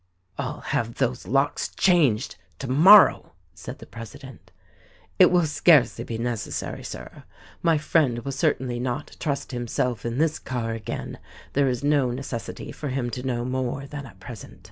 "I'll have those locks changed, tomorrow," said the president. "It will scarcely be necessary, Sir. My friend will cer tainly not trust himself in this car again — there is no neces sity for him to know more than at present."